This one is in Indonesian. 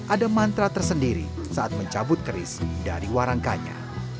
ada mantra tersendiri saat mencabut keris dari warangkanya